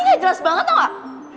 ini gak jelas banget tau gak